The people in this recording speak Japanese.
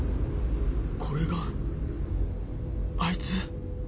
これがあいつ？